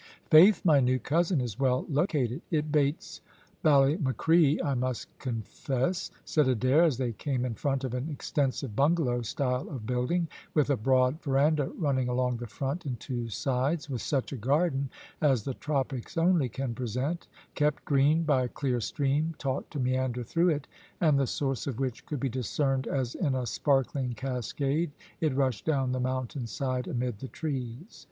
"Faith, my new cousin is well located. It bates Ballymacree I must confess," said Adair, as they came in front of an extensive bungalow style of building, with a broad verandah running along the front and two sides, with such a garden as the tropics only can present, kept green by a clear stream taught to meander through it, and the source of which could be discerned as in a sparkling cascade it rushed down the mountain side amid the trees.